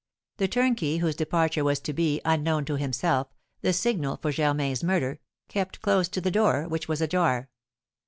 The turnkey, whose departure was to be, unknown to himself, the signal for Germain's murder, kept close to the door, which was ajar.